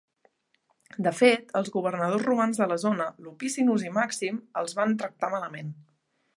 De fet, els governadors romans de la zona, Lupicinus i Màxim, els van tractar malament.